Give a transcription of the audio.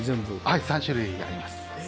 はい３種類あります。